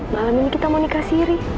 malam ini kita mau nikah siri